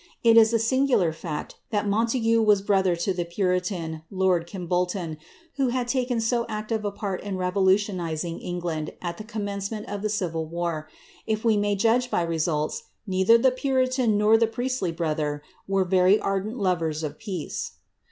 It ii • singular fact, that Montague was brother to the puritan, loni Kimbol ton,' wlio had taken so active a part in revolutionizing England at the commencement of the civil war; if we may judge by results, neitlier the puritan nor the priestly brother were very ardent lovers of peace.